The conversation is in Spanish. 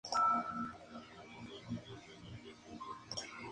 Fue uno de los más de sesenta monasterios que formaron la Tebaida berciana.